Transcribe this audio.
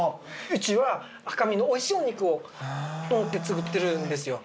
うちは「赤身のおいしいお肉を」と思って作ってるんですよ。